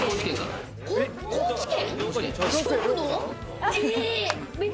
高知県。